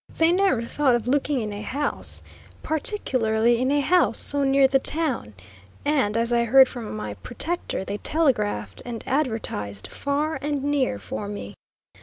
They never thought of looking in a house, particularly in a house so near the town; and, as I heard from my protector, they telegraphed and advertised far and near for me.